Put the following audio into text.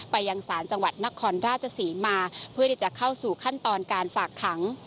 ยังสารจังหวัดนครราชศรีมาเพื่อที่จะเข้าสู่ขั้นตอนการฝากขัง